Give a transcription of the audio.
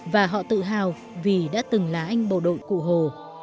và họ tự hào vì đã từng là anh bộ đội cụ hồ